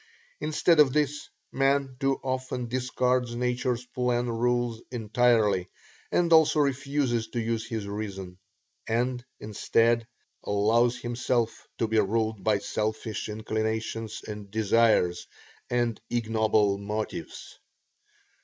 Instead of this, man too often discards Nature's plain rules entirely, and also refuses to use his reason, and, instead, allows himself to be ruled by selfish inclinations and desires, and ignoble motives.